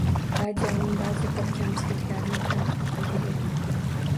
Radioning ba’zi bir kamchiliklarini tanqid qilgan edim.